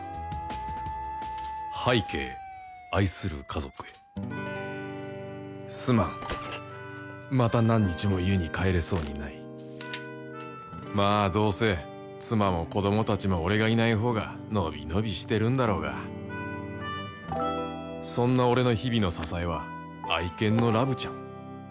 拝啓愛する家族へすまんまた何日も家に帰れそうにないまぁどうせ妻も子供たちも俺がいないほうが伸び伸びしてるんだろうがそんな俺の日々の支えは愛犬のラブちゃん・ワン！